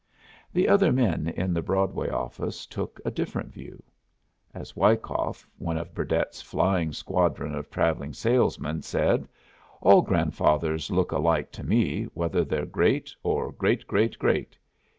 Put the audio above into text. The other men in the Broadway office took a different view. As Wyckoff, one of Burdett's flying squadron of travelling salesmen, said, "All grandfathers look alike to me, whether they're great, or great great great.